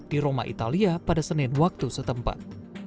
di roma italia pada senin waktu setempat